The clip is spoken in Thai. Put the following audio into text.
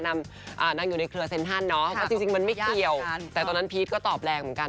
นางอยู่ในเครือเซ็นทันเนาะว่าจริงมันไม่เกี่ยวแต่ตอนนั้นพีชก็ตอบแรงเหมือนกัน